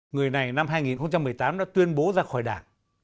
người này năm hai nghìn một mươi tám đã tuyên bố ra khỏi đảng